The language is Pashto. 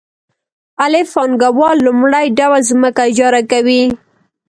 الف پانګوال لومړی ډول ځمکه اجاره کوي